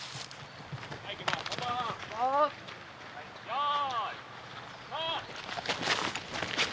よい。